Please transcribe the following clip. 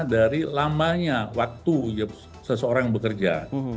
dari lamanya waktu seseorang bekerja